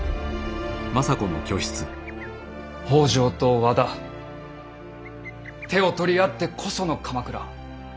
北条と和田手を取り合ってこその鎌倉。